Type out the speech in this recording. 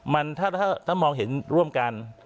มันถ้ามองเห็นร่วมกัน